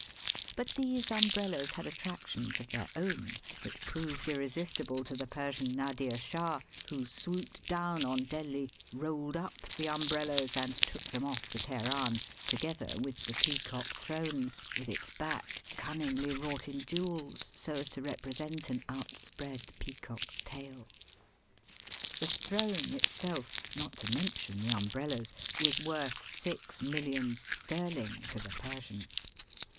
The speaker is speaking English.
But these umbrellas had attractions of their own which proved irresistible to the Persian Nadir Shah, who swooped down on Delhi, rolled up the umbrellas, and took them off to Teheran, together with the Peacock Throne, with its back cunningly wrought in jewels so as to represent an outspread peacock's tail. The throne itself, not to mention the um brellas, was worth six millions sterling to the Persian.